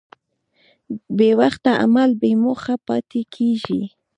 بېوخته عمل بېموخه پاتې کېږي.